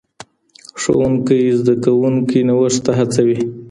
ښوونکی زدهکوونکي نوښت ته هڅوي.